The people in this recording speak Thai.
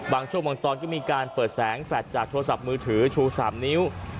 บางช่วงบางตอนก็มีการเปิดแสงแฟลตจากโทรศัพท์มือถือชู๓นิ้ว